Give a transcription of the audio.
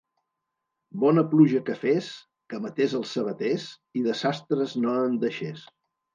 Bona pluja que fes, que matés els sabaters, i de sastres no en deixés.